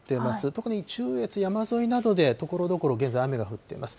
特に中越山沿いなどで、ところどころ現在、雨が降っています。